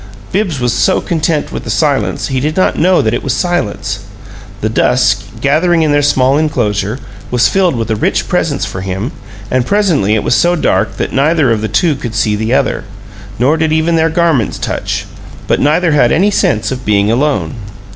Bibbs was so content with the silence he did not know that it was silence. The dusk, gathering in their small inclosure, was filled with a rich presence for him; and presently it was so dark that neither of the two could see the other, nor did even their garments touch. But neither had any sense of being alone.